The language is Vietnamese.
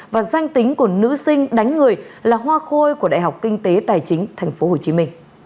và danh tính của nữ sinh đánh người là hoa khôi của đại học kinh tế tài chính tp hcm